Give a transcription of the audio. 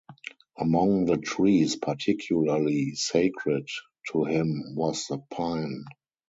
Among the trees particularly sacred to him was the pine.